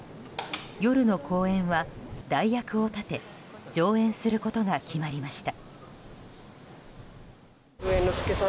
夜の公演は代役を立て上演することが決まりました。